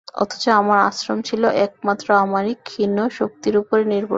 অথচ আমার আশ্রম ছিল একমাত্র আমারি ক্ষীণ শক্তির উপরে নির্ভর করে।